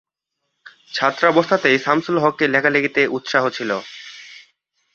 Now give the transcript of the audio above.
ছাত্রাবস্থাতেই সামসুল হকের লেখালেখিতে উৎসাহ ছিল।